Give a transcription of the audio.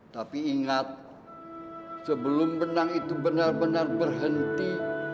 tapi ingat sebelum benang itu benar benar berhenti